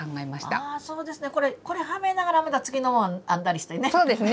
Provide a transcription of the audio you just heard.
そうですねこれはめながらまた次のもの編んだりしてね。